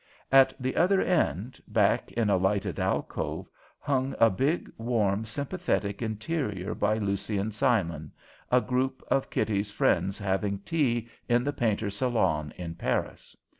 At the other end, back in a lighted alcove, hung a big, warm, sympathetic interior by Lucien Simon, a group of Kitty's friends having tea in the painter's salon in Paris.